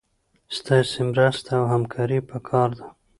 ستاسي مرسته او همکاري پکار ده